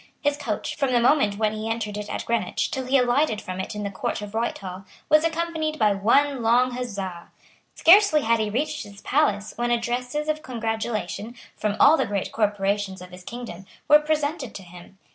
His coach, from the moment when he entered it at Greenwich till he alighted from it in the court of Whitehall, was accompanied by one long huzza. Scarcely had he reached his palace when addresses of congratulation, from all the great corporations of his kingdom, were presented to him.